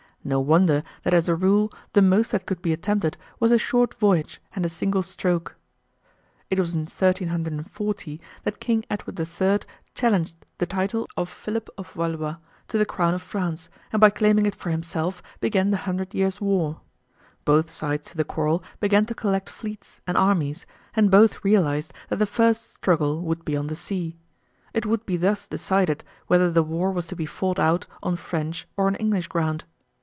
No wonder that as a rule the most that could be attempted was a short voyage and a single stroke. It was in 1340 that King Edward III challenged the title of Philip of Valois to the crown of France, and by claiming it for himself began "the Hundred Years' War." Both sides to the quarrel began to collect fleets and armies, and both realized that the first struggle would be on the sea. It would be thus decided whether the war was to be fought out on French or on English ground.